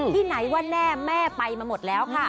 ที่ไหนว่าแน่แม่ไปมาหมดแล้วค่ะ